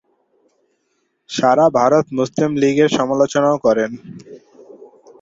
সারা ভারত Muslim League এর সমালোচনাও করেন।